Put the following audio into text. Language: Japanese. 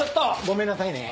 ごめんなさいね。